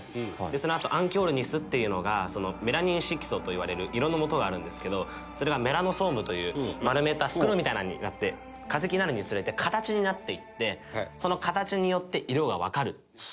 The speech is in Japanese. そのあとアンキオルニスっていうのがメラニン色素といわれる色のもとがあるんですけどそれがメラノソームという丸めた袋みたいなのになって化石になるにつれて形になっていって。